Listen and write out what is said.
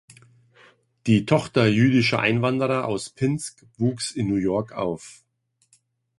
Die Tochter jüdischer Einwanderer aus Pinsk wuchs in New York auf.